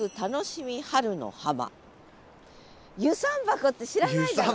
遊山箱って知らないだろ？